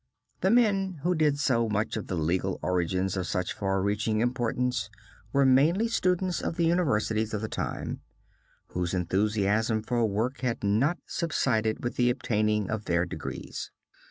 The men who did so much for legal origins of such far reaching importance, were mainly students of the universities of the time, whose enthusiasm for work had not subsided with the obtaining of their degrees.